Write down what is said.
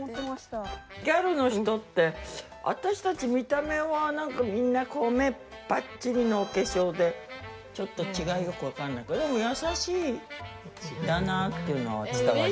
ギャルの人って私たち見た目はなんか、みんなこう目ぱっちりのお化粧で、ちょっと違いがよく分かんないけどでも優しいんだなっていうのは伝わる。